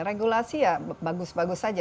regulasi ya bagus bagus saja